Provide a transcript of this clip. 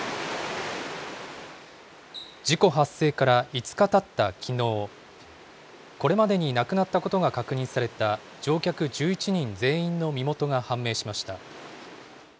事故発生から５日たったきのう、これまでに亡くなったことが確認された乗客１１人全員の身元が判明しました。